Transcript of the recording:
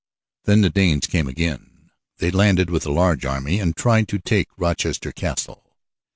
Then the Danes came again. They landed with a large army and tried to take Rochester Castle.